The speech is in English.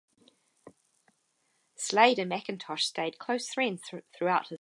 Slade and Mackintosh stayed close friends throughout his life.